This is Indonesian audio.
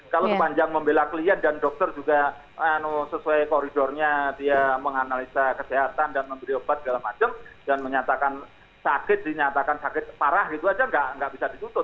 kalau sepanjang membela klien dan dokter juga sesuai koridornya dia menganalisa kesehatan dan memberi obat segala macam dan menyatakan sakit dinyatakan sakit parah gitu aja nggak bisa ditutup